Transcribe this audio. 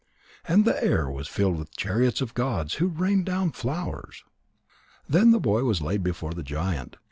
And the air was filled with the chariots of gods who rained down flowers. Then the boy was laid before the giant.